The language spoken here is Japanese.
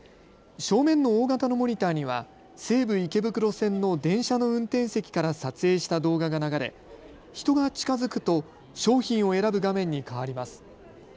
正面の大型のモニターには西武池袋線の電車の運転席から撮影した動画が流れ人が近づくと商品を選ぶ画面に変わります。